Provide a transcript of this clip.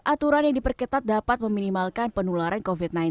aturan yang diperketat dapat meminimalkan penularan covid sembilan belas